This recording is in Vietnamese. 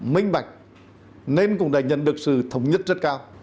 minh bạch nên cũng đã nhận được sự thống nhất rất cao